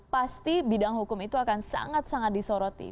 pasti bidang hukum itu akan sangat sangat disoroti